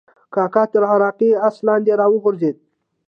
کاکا تر عراقي آس لاندې راوغورځېد.